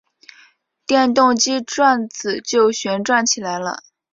电动机转子就旋转起来了。